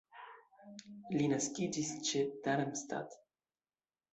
Li naskiĝis ĉe Darmstadt.